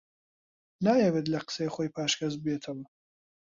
نایەوێت لە قسەی خۆی پاشگەز ببێتەوە